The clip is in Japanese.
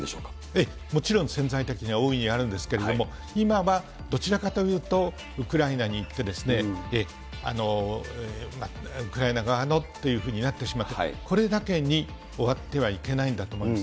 ええ、もちろん潜在的には、大いにあるんですけれども、今は、どちらかというと、ウクライナに行って、まあ、ウクライナ側のっていうふうになってしまって、これだけに終わってはいけないんだと思います。